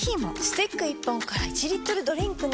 スティック１本から１リットルドリンクに！